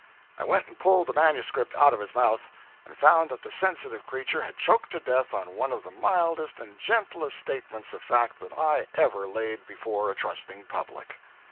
I went and pulled the manuscript out of his mouth, and found that the sensitive creature had choked to death on one of the mildest and gentlest statements of fact that I ever laid before a trusting public.